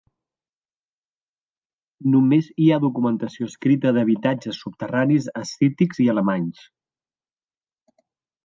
Només hi ha documentació escrita d'habitatges subterranis escítics i alemanys.